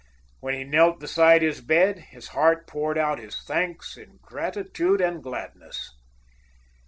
When he knelt beside his bed, his heart poured out his thanks in gratitude and gladness.